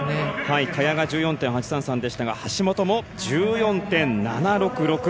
萱が１４．８３３でしたが橋本も１４．７６６。